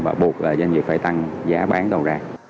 và buộc là doanh nghiệp phải tăng giá bán đầu ra